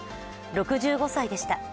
６５歳でした。